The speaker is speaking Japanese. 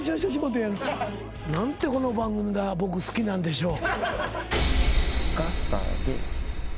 何てこの番組が僕好きなんでしょう。